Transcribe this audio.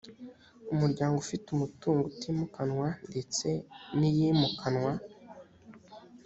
umuryango ufite umutungo utimukanwa ndetse n’iyimukanwa